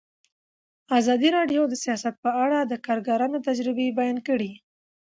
ازادي راډیو د سیاست په اړه د کارګرانو تجربې بیان کړي.